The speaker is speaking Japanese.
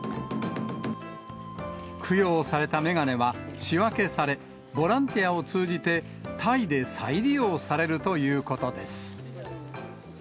供養された眼鏡は、仕分けされ、ボランティアを通じてタイで再利用されるということです。